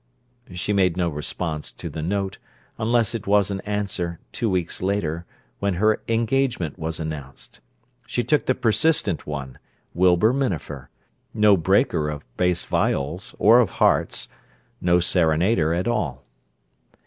She made no response to the note, unless it was an answer, two weeks later, when her engagement was announced. She took the persistent one, Wilbur Minafer, no breaker of bass viols or of hearts, no serenader at all.